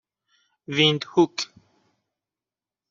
ویندهوک